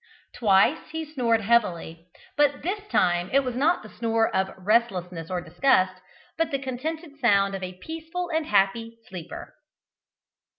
Twice he snored heavily, but this time it was not the snore of restlessness or disgust, but the contented sound of a peaceful and happy sleeper.